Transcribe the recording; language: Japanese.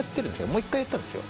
もう１回やったんですよ。